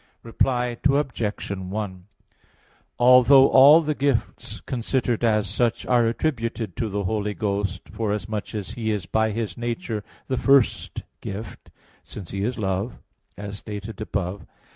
Reply Obj. 1: Although all the gifts, considered as such, are attributed to the Holy Ghost, forasmuch as He is by His nature the first Gift, since He is Love, as stated above (Q.